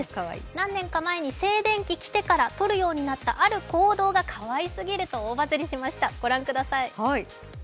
何年か前に静電気きてからとるようになった行動がかわいすぎると大バズりしました、ご覧ください。